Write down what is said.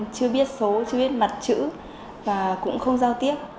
chú biết số chú biết mặt chữ và cũng không giao tiếp